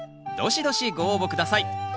どしどしご応募下さい。